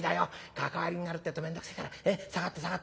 関わりになるってえと面倒くせえから下がって下がって。